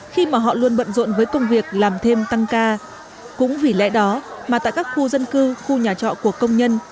khi mà họ luôn bận rộn với công việc làm thêm tăng ca cũng vì lẽ đó mà tại các khu dân cư khu nhà trọ của công nhân